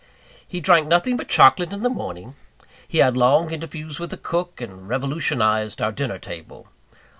He drank nothing but chocolate in the morning; he had long interviews with the cook, and revolutionized our dinner table.